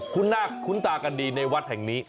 คุณหน้าคุ้นตากันดีในวัดแห่งนี้